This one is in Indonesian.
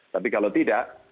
tapi kalau tidak